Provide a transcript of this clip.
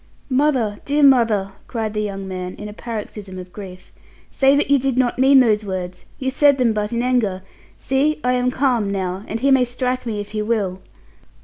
"Mother, dear mother!" cried the young man, in a paroxysm of grief, "say that you did not mean those words; you said them but in anger! See, I am calm now, and he may strike me if he will."